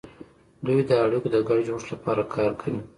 دوی د اړیکو د ګډ جوړښت لپاره کار کوي